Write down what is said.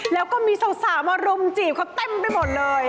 แล้วก็มีสาวมารุมจีบเขาเต็มไปหมดเลย